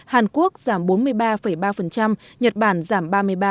hàn quốc giảm bốn mươi ba ba nhật bản giảm ba mươi ba bốn